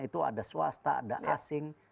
itu ada swasta ada asing